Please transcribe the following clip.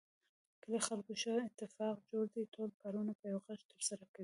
د کلي خلکو ښه اتفاق جوړ دی. ټول کارونه په یوه غږ ترسره کوي.